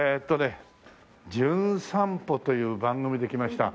『じゅん散歩』という番組で来ました